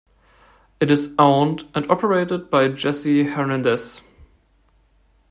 It is owned and operated by Jesse Hernandez.